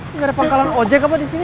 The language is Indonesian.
ini ada pangkalan ojek apa di sini